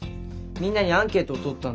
みんなにアンケートをとったんだ。